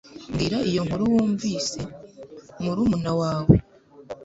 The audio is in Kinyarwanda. Mbwira iyo nkuru wumvise murumuna wawe